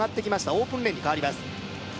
オープンレーンに変わります